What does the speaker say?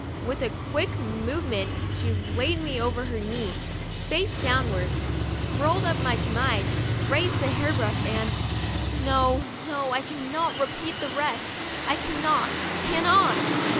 With a quick move ment she laid me over her knee, face downward, rolled up my chemise, raised the hair brush, and no, no, I cannot repeat the rest, I cannot, cannot.